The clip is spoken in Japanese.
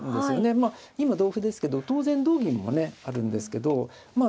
まあ今同歩ですけど当然同銀もねあるんですけどまあ